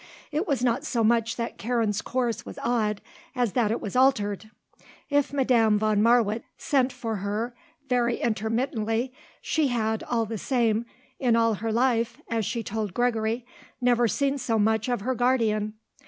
It was not so much that Karen's course was odd as that it was altered. If Madame von Marwitz sent for her very intermittently, she had, all the same, in all her life, as she told Gregory, never seen so much of her guardian.